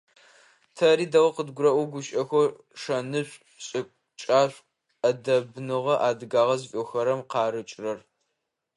Тэри дэгъоу къыдгурэӀо гущыӀэхэу шэнышӀу, шӀыкӀашӀу, Ӏэдэбныгъэ, адыгагъэ зыфиӀохэрэм къарыкӀырэр.